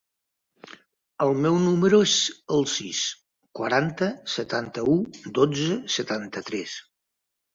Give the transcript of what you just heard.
El meu número es el sis, quaranta, setanta-u, dotze, setanta-tres.